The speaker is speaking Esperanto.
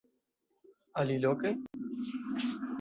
Aliloke?